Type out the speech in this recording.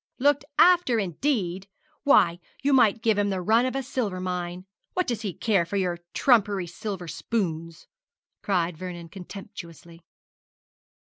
'Looked after, indeed! Why, you might give him the run of a silver mine. What does he care for your trumpery silver spoons?' cried Vernon, contemptuously.